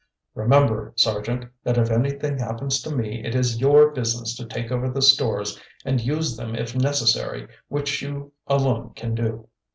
Remember, Sergeant, that if anything happens to me it is your business to take over the stores and use them if necessary, which you alone can do.